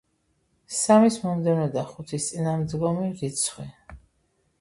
სამის მომდევნო და ხუთის წინამდგომი რიცხვი.